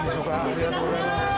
ありがとうございます。